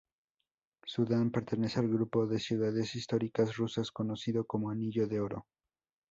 Súzdal pertenece al grupo de ciudades históricas rusas conocido como Anillo de Oro.